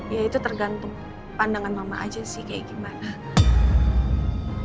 ya itu tergantung pandangan mama aja sih kayak gimana